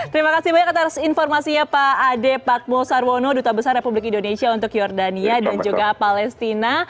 terima kasih banyak atas informasinya pak ade patmo sarwono duta besar republik indonesia untuk jordania dan juga palestina